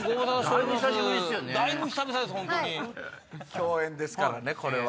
共演ですからねこれは。